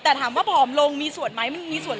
แต่ถามว่าผอมลงมีส่วนไหม